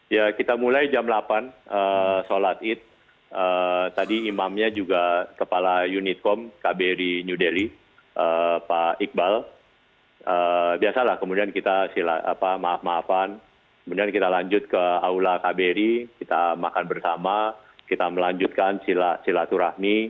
ya kita mulai jam delapan sholat id tadi imamnya juga kepala unitkom kbri new delhi pak iqbal biasa lah kemudian kita sila maaf maafan kemudian kita lanjut ke aula kbri kita makan bersama kita melanjutkan silaturahmi